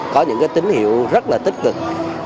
có những tín hiệu rất là tích cực